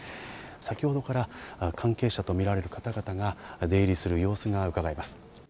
先ほどから関係者とみられる方々が出入りする様子がうかがえます。